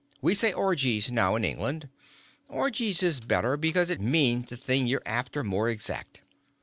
We say orgies now in England. Orgies is better, because it means the thing you're after more exact.